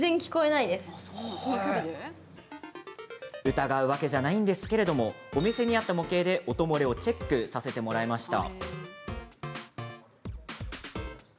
疑うわけじゃないんですけどもお店にあった模型で音漏れをチェックさせてもらいました。